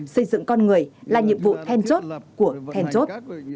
xây dựng con người là nhiệm vụ then chốt của then chốt